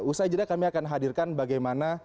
usai jeda kami akan hadirkan bagaimana